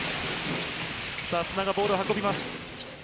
須田がボールを運びます。